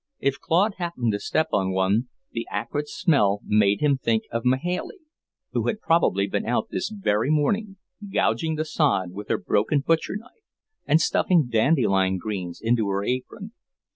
If Claude happened to step on one, the acrid smell made him think of Mahailey, who had probably been out this very morning, gouging the sod with her broken butcher knife and stuffing dandelion greens into her apron.